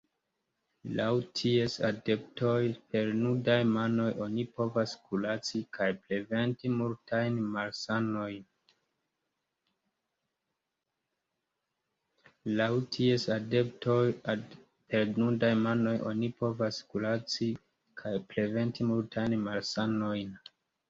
Laŭ ties adeptoj, per nudaj manoj oni povas kuraci kaj preventi multajn malsanojn.